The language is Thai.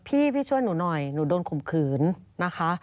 พี่พี่ช่วยหนูหน่อยหนูโดนข่มขืนนะคะ